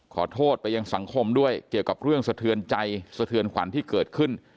ขอโทษไปยังสังคมด้วยเกี่ยวกับเรื่องสะเทือนใจสะเทือนขวัญที่เกิดขึ้น